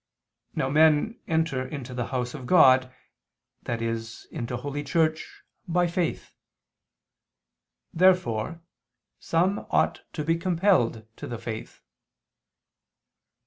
Now men enter into the house of God, i.e. into Holy Church, by faith. Therefore some ought to be compelled to the faith.